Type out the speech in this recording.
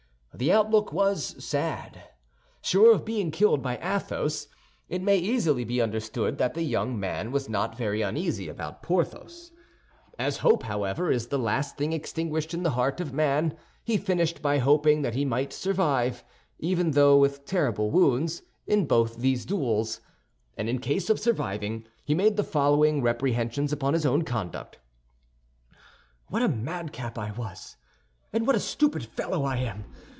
The outlook was sad. Sure of being killed by Athos, it may easily be understood that the young man was not very uneasy about Porthos. As hope, however, is the last thing extinguished in the heart of man, he finished by hoping that he might survive, even though with terrible wounds, in both these duels; and in case of surviving, he made the following reprehensions upon his own conduct: "What a madcap I was, and what a stupid fellow I am!